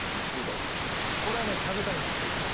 これはね食べたいんです僕は。